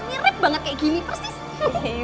nyerip banget kayak gini persis